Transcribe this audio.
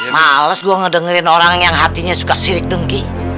malas gua ngedengerin orang yang hatinya suka sirik dengki